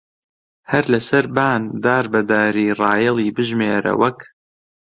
هەر لە سەربان دار بە داری ڕایەڵی بژمێرە وەک